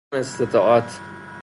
عدم استطاعت